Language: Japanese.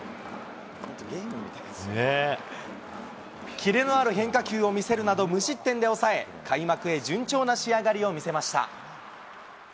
キレのある変化球を見せるなど無失点で抑え、開幕へ順調な仕上がりを見せました。